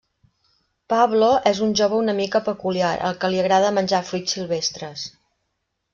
Pablo és un jove una mica peculiar al que li agrada menjar fruits silvestres.